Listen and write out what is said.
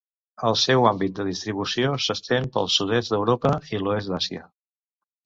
El seu àmbit de distribució s'estén pel sud-est d'Europa i l'oest d'Àsia.